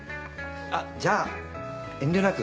あっじゃあ遠慮なく。